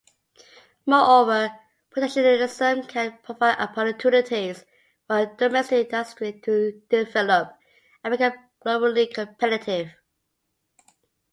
Moreover, protectionism can provide opportunities for domestic industries to develop and become globally competitive.